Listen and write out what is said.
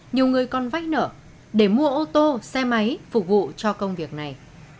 nhiều người còn vách nở để mua ô tô xe máy phục vụ cho công việc này